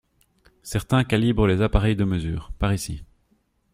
Certains calibrent les appareils de mesure, par ici